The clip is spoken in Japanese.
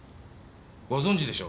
ご存じでしょう？